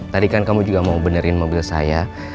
tadi kan kamu juga mau benerin mobil saya